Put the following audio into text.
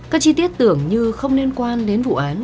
các chi tiết tưởng như không liên quan đến vụ án